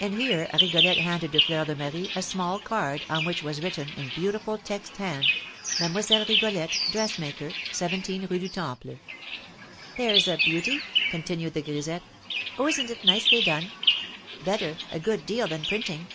And here Rigolette handed to Fleur de Marie a small card, on which was written, in beautiful text hand, "Mademoiselle Rigolette, Dressmaker, 17 Rue du Temple." "There's a beauty!" continued the grisette. "Oh, isn't it nicely done? Better, a good deal, than printing!